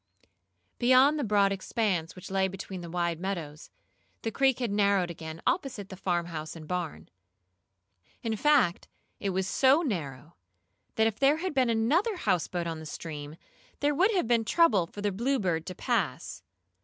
Beyond the broad expanse which lay between the wide meadows, the creek had narrowed again opposite the farmhouse and barn. In fact, it was so narrow, that if there had been another houseboat on the stream, there would have been trouble for the Bluebird to pass.